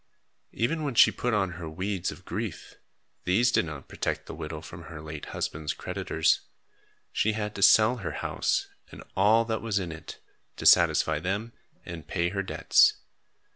Even when she put on her weeds of grief, these did not protect the widow from her late husband's creditors. She had to sell her house and all that was in it, to satisfy them and pay her debts.